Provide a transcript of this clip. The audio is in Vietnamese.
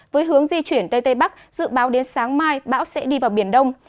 với hướng di chuyển tây tây bắc dự báo đến sáng mai bão sẽ đi vào biển đông